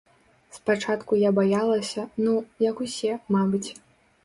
Спачатку я баялася, ну, як усе, мабыць.